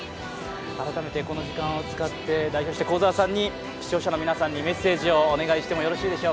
改めてこの時間を使って、代表して幸澤さんに視聴者の皆さんにメッセージをお願いします。